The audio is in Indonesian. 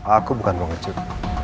aku bukan pengecut